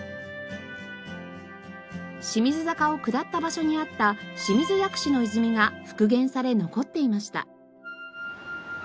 清水坂を下った場所にあった清水薬師の泉が復元され残っていました。